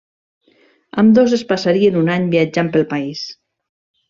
Ambdós es passarien un any viatjant pel país.